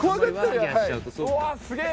「うわっすげえ！」